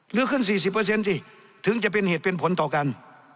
หรือขึ้น๔๐สิถึงจะเป็นเหตุเป็นผลต่อกัน